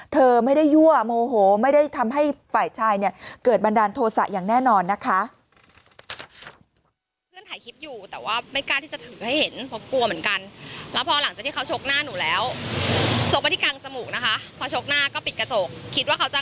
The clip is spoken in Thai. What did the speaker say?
เธอไม่ได้ยั่วโมโหไม่ได้ทำให้ฝ่ายชายเนี่ยเกิดบันดาลโทษะอย่างแน่นอนนะคะ